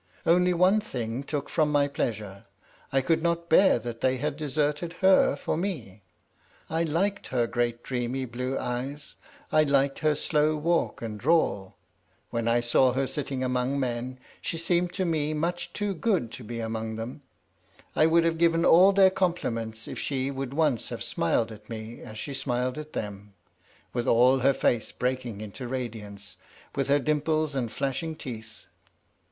Only one thing took from my pleasure; I could not bear that they had deserted her for me. I liked her great dreamy blue eyes, I liked her slow walk and drawl; when I saw her sitting among men, she seemed to me much too good to be among them; I would have given all their compliments if she would once have smiled at me as she smiled at them, with all her face breaking into radiance, with her dimples and flashing teeth.